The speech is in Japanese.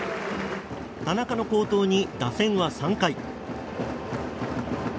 田中の好投に打線は３回。